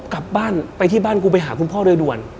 กลับบ้านไปที่บ้านกูไปหาคุณพ่อโดยด่วน